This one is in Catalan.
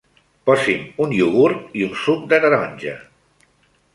Posi'm un iogurt i un suc de taronja.